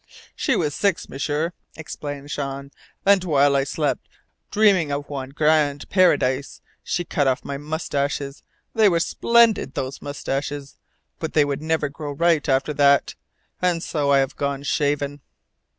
"She was six, M'sieur," explained Jean, "and while I slept, dreaming of one gr r rand paradise, she cut off my moustaches. They were splendid, those moustaches, but they would never grow right after that, and so I have gone shaven."